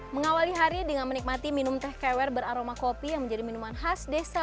mengawali hari dengan menikmati minum teh kewer beraroma kopi yang menjadi minuman khas desa